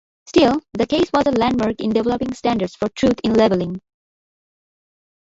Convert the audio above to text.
Still, the case was a landmark in developing standards for truth in labeling.